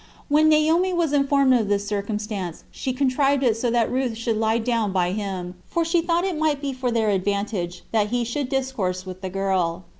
When Naomi was informed of this circumstance she contrived it so that Ruth should lie down by him, for she thought it might be for their advantage that he should discourse with the girl.